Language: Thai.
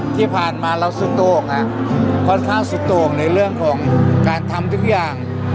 ที่ผ่านมาเราสุดโต่งค่อนข้างสุดโต่งในเรื่องของการทำทุกอย่าง